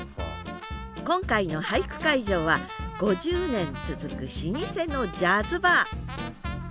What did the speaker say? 今回の俳句会場は５０年続く老舗のジャズバー。